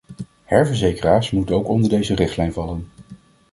Herverzekeraars moeten ook onder deze richtlijn vallen.